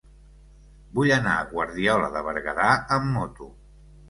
Vull anar a Guardiola de Berguedà amb moto.